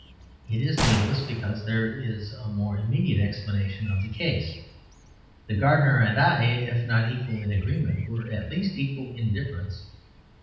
It is needless because there is a more immediate explanation of the case: the gardener and I, if not equal in agreement, were at least equal in difference.